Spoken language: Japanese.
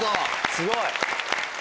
すごい！